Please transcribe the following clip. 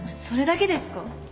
それだけですか？